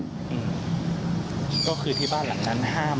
ใช่ค่ะถ่ายรูปส่งให้พี่ดูไหม